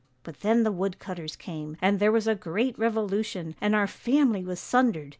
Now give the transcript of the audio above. But then the wood cutters came, and there was a great revolution, and our family was sundered.